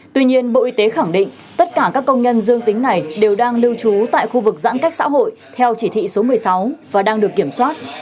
tuy nhiên bộ y tế khẳng định tất cả các công nhân dương tính này đều đang lưu trú tại khu vực giãn cách xã hội theo chỉ thị số một mươi sáu và đang được kiểm soát